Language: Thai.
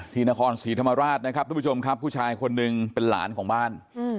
ที่นครศรีธรรมราชกับผู้ชายคนหนึ่งเป็นหลานของบ้าน